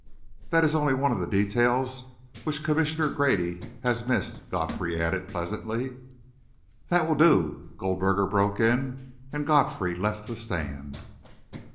"That is only one of the details which Commissioner Grady has missed," Godfrey added, pleasantly. "That will do," Goldberger broke in, and Godfrey left the stand.